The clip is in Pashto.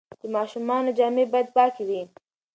د ماشومانو جامې باید پاکې وي.